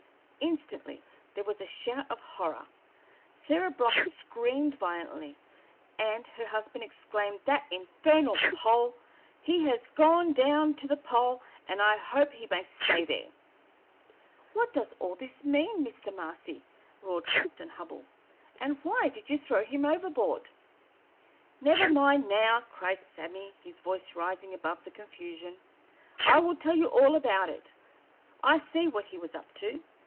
Instantly there was a shout of horror. Sarah Block screamed violently, and her husband exclaimed: "That infernal Pole! He has gone down to the pole, and I hope he may stay there!" "What does all this mean, Mr. Marcy?" roared Captain Hubbell; "and why did you throw him overboard?" "Never mind now," cried Sammy, his voice rising above the confusion. "I will tell you all about it. I see what he was up to.